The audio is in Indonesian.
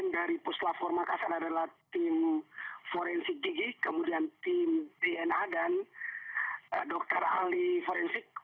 dari puslah formakasan adalah tim forensik gigi kemudian tim dna dan dokter alih forensik